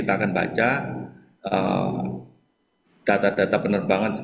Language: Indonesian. itu semacam black box lah tapi ini bukan black box